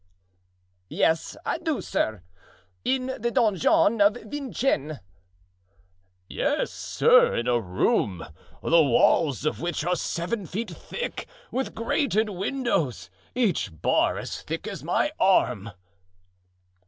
"Yes, I do, sir; in the donjon of Vincennes." "Yes, sir; in a room, the walls of which are seven feet thick, with grated windows, each bar as thick as my arm."